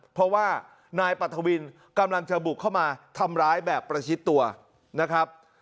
เพราะว่านายปรัฐวินกำลังจะบุกเข้ามาทำร้ายแบบประชิดตัวนะครับ